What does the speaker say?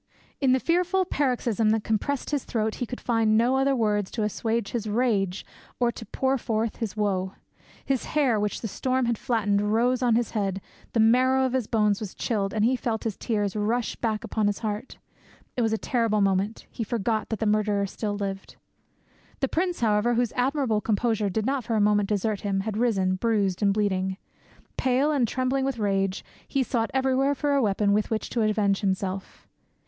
In the fearful paroxysm that compressed his throat he could find no other words to assuage his rage or to pour forth his woe. His hair, which the storm had flattened, rose on his head, the marrow of his bones was chilled, and he felt his tears rush back upon his heart. It was a terrible moment; he forgot that the murderer still lived. The prince, however, whose admirable composure did not for a moment desert him, had risen, bruised and bleeding. Pale and trembling with rage, he sought everywhere for a weapon with which to avenge himself.